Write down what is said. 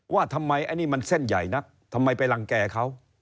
ว่าทำไมอันนี้มันเส้นใหญ่นักทำไมไปรังแก่เขา